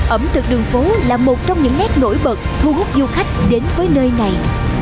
ẩm thực đường phố là một trong những nét nổi bật thu hút du khách đến với nơi này